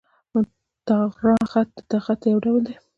طغرا خط، د خط یو ډول دﺉ.